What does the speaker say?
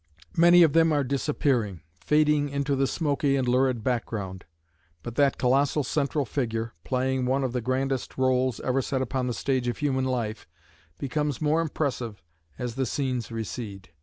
Many of them are disappearing, fading into the smoky and lurid background. But that colossal central figure, playing one of the grandest roles ever set upon the stage of human life, becomes more impressive as the scenes recede.